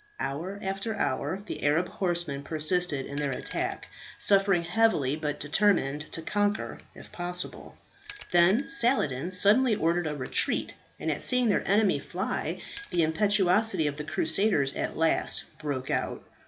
Hour after hour the Arab horsemen persisted in their attack, suffering heavily, but determined to conquer if possible. Then Saladin suddenly ordered a retreat, and at seeing their enemy fly, the impetuosity of the crusaders at last broke out.